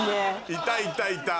いたいたいた。